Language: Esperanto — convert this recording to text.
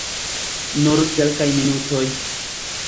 Nur kelkaj minutoj.